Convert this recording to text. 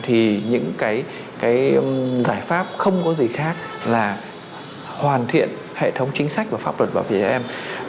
thì những cái giải pháp không có gì khác là hoàn thiện hệ thống chính sách và pháp luật bảo vệ trẻ em